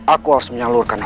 aku harus menyalurkan